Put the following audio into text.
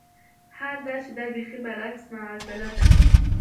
حال دا چې دا بېخي برعکس معاضله ده.